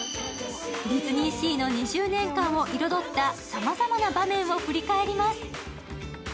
ディズニーシーの２０年間を彩ったさまざまな場面を振り返ります。